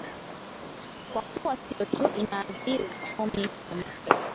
kwa kuwa sio tu inaadhiri uchumi wa misri